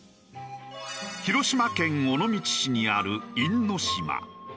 広島県尾道市にある因島。